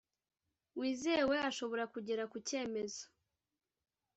wizewe ashobora kugera ku cyemezo